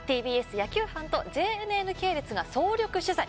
ＴＢＳ野球班とＪＮＮ系列が総力取材。